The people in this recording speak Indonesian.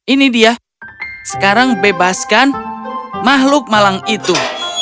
ini dia sekarang bebaskan makhluk malang itu